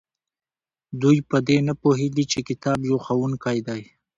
دوی په دې نه پوهیږي چې کتاب یو ښوونکی دی.